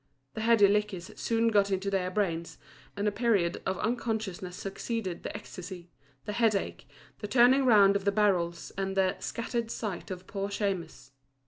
The heady liquors soon got into their brains, and a period of unconsciousness succeeded the ecstasy, the head ache, the turning round of the barrels, and the "scattered sight" of poor Shemus.